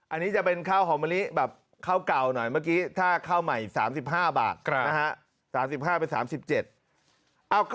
อันนี้จะเป็นข้าวหอมมะลิแบบข้าวเก่าหน่อยเมื่อกี้ถ้าข้าวใหม่๓๕บาทนะฮะ